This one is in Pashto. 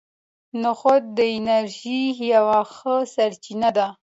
نخود د انرژۍ یوه ښه سرچینه ده.